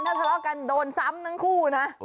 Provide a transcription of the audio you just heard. ถ้าทะเลาะกันโดนซ้ำทั้งคู่นะ